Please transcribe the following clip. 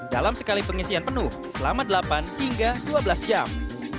dalam sekali pengisian penuh selama delapan hingga dua belas jam